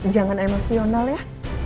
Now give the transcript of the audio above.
jangan emosional ya